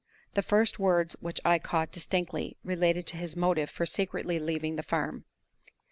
The first words which I caught distinctly related to his motive for secretly leaving the farm.